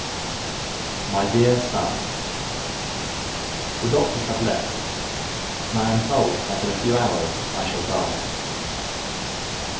MY DEAR SON: The doctors have left and I am told that in a few hours I shall die.